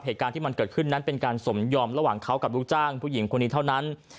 เหตุการณ์ที่มันเกิดขึ้นนั้นเป็นการสมยอมระหว่างเขากับลูกจ้างผู้หญิงคนนี้เท่านั้น